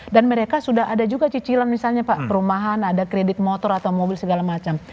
dan mereka sudah ada juga cicilan misalnya pak perumahan ada kredit motor atau mobil segala macam